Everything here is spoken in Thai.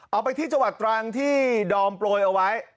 เอาไปที่จวดตรางที่โดมโปรยเอาไว้